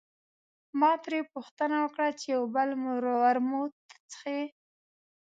ما ترې پوښتنه وکړه چې یو بل ورموت څښې.